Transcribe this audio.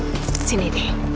hmm sini di